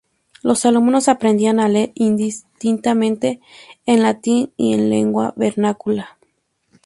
Los alumnos aprendían a leer indistintamente en latín y en lengua vernácula.